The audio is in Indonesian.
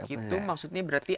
tumbuh keki itu maksudnya berarti